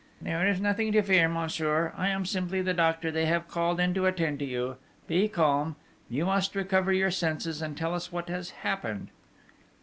'There is nothing to fear, monsieur. I am simply the doctor they have called in to attend to you! Be calm!... You must recover your senses, and tell us what has happened!'